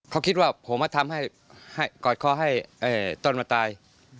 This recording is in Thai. เขาคิดว่าผมมาทำให้กอดคอให้ต้นมาตาย